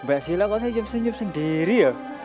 mbak silla kok becantin datas sendirian